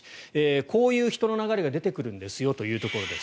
こういう人の流れが出てくるんですよというところです。